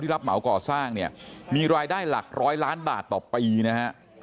รับเหมาก่อสร้างเนี่ยมีรายได้หลักร้อยล้านบาทต่อปีนะฮะ